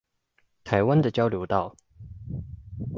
台灣的交流道